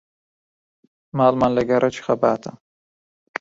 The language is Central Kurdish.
ماڵمان لە گەڕەکی خەباتە.